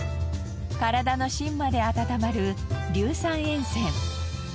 体の芯まで温まる硫酸塩泉。